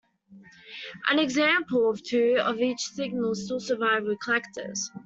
An example or two of each signal still survive with collectors.